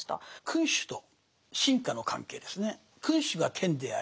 君主と臣下の関係ですね。